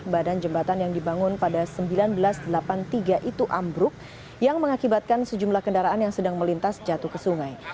badan jembatan yang dibangun pada seribu sembilan ratus delapan puluh tiga itu ambruk yang mengakibatkan sejumlah kendaraan yang sedang melintas jatuh ke sungai